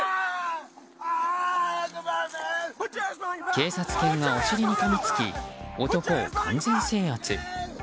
警察犬が、お尻にかみつき男を完全制圧。